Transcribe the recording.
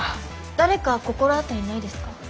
誰か心当たりないですか？